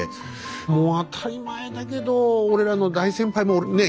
もう当たり前だけど俺らの大先輩もねえ